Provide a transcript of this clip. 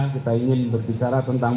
kita ingin berbicara tentang